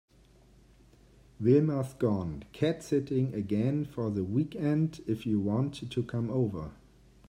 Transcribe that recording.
Wilma’s gone cat sitting again for the weekend if you want to come over.